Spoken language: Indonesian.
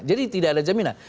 jadi tidak ada jaminan